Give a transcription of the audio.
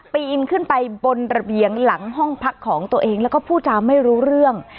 ปีนขึ้นไปบนระเบียงหลังห้องพักของตัวเองแล้วก็พูดจาไม่รู้เรื่อง